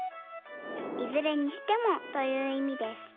「いずれにしても」といういみです。